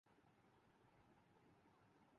سامنے دیکھئے